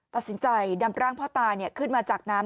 ตัดสินใจนำร่างพ่อตาขึ้นมาจากน้ำ